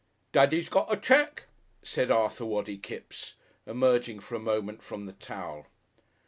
"Dadda's got a cheque," said Arthur Waddy Kipps, emerging for a moment from the towel.